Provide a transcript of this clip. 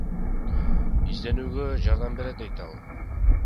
Изденүүгө жардам берет дейт ал.